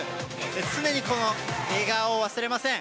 常にこの笑顔を忘れません。